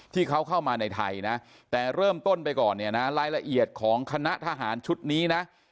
ที่เขาเข้ามาในไทยนะแต่เริ่มต้นไปก่อนเนี่ยนะรายละเอียดของคณะทหารชุดนี้นะ